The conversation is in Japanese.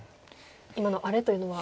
今の「あれ？」というのは。